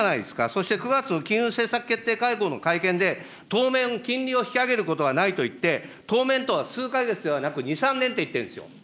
そして、９月の金融政策決定会合の会見で、当面、金利を引き上げることはないと言って、当面とは数か月ではなく２、３年って言ってるんですよ。